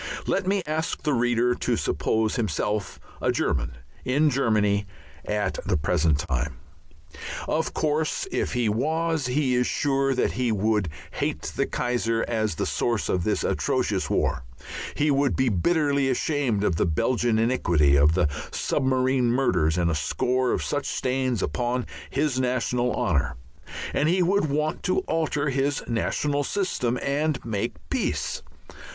Let me ask the reader to suppose himself a German in Germany at the present time. Of course if he was, he is sure that he would hate the Kaiser as the source of this atrocious war, he would be bitterly ashamed of the Belgian iniquity, of the submarine murders, and a score of such stains upon his national honour; and he would want to alter his national system and make peace.